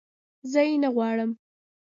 زه یې نه غواړم